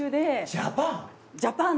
ジャパン？